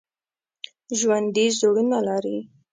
ژوندي زړونه لري